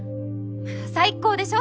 最高でしょ？